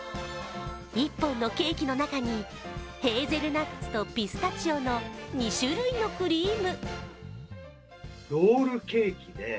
１本のケーキの中にヘーゼルナッツとピスタチオの２種類のクリーム。